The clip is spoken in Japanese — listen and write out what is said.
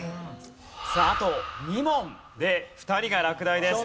さああと２問で２人が落第です。